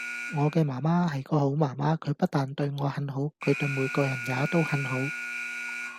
我嘅媽媽係個好媽媽，佢不但對我很好，佢對每個人也都很好